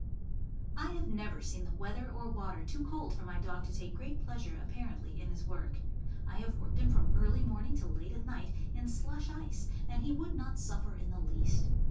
I have never seen the weather or water too cold for my dog to take great pleasure, apparently, in his work. I have worked him from early morning till late at night, in slush ice, and he would not suffer in the least.